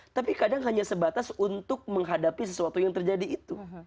tapi kadang hanya sebatas untuk menghadapi sesuatu yang terjadi itu